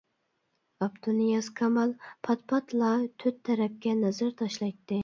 ئابدۇنىياز كامال پات-پاتلا تۆت تەرەپكە نەزەر تاشلايتتى.